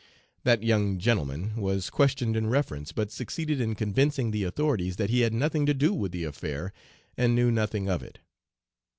That young 'gentleman' was questioned in reference, but succeeded in convincing the authorities that he had nothing to do with the affair and knew nothing of it.